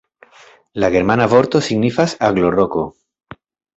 La germana vorto signifas aglo-roko.